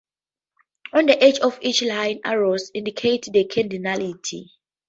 On the edge of each line, arrows indicate the cardinality.